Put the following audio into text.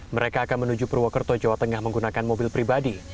mereka akan menuju purwokerto jawa tengah menggunakan mobil pribadi